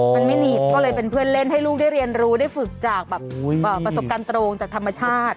มันไม่หนีบก็เลยเป็นเพื่อนเล่นให้ลูกได้เรียนรู้ได้ฝึกจากแบบประสบการณ์ตรงจากธรรมชาติ